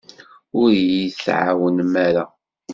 Ur d-iyi-tɛawnem ara.